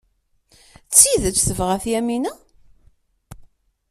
D tidet tebɣa-t Yamina?